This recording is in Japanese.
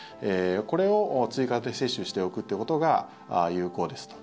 これを追加で接種しておくということが有効ですと。